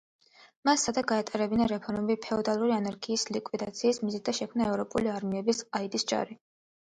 მან სცადა გაეტარებინა რეფორმები ფეოდალური ანარქიის ლიკვიდაციის მიზნით და შექმნა ევროპული არმიების ყაიდის ჯარი.